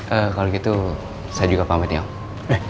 eh kalau gitu saya juga pamit ya